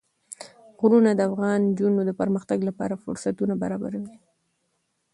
غرونه د افغان نجونو د پرمختګ لپاره فرصتونه برابروي.